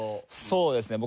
そうですね。